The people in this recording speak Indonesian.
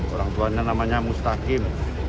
orang tuanya namanya mustaqim